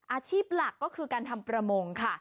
อาชีพหลักก็คือการทำประมงค่ะ